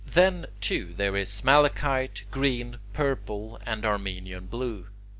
Then, too, there is malachite green, purple, and Armenian blue.